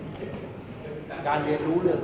มันเป็นสิ่งที่เราไม่รู้สึกว่า